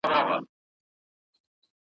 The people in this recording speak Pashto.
جګه لوړه لکه سرو خرامانه `